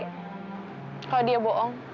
kalau dia bohong